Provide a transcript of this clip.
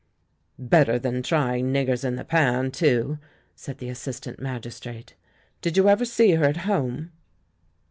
"Better than trying niggers in the Pan, too," said the assistant magistrate. "Did you ever see her at home?"